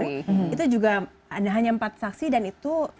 itu juga hanya empat saksi dan itu